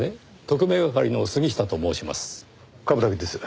特命係の杉下と申します。